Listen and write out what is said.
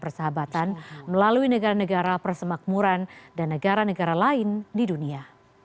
persahabatan melalui negara negara persemakmuran dan negara negara lain di dunia